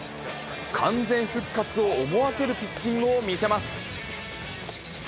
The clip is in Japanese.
完全復活を思わせるピッチングを見せます。